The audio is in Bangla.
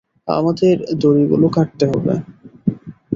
আমাদের দড়িগুলো কাটতে হবে।